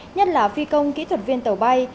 nhất là phi công kỹ thuật viên tàu bay